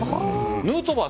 ヌートバー